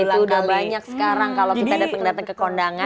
iya itu udah banyak sekarang kalau kita datang ke kondangan